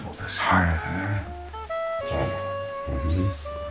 はい。